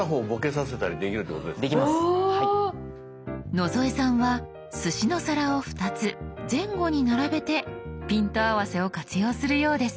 野添さんはすしの皿を２つ前後に並べてピント合わせを活用するようです。